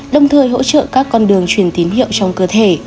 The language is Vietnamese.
đồng thời hỗ trợ các con đường truyền tín hiệu trong cơ thể